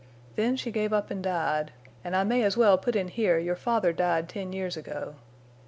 Then she gave up an' died. An' I may as well put in here your father died ten years ago.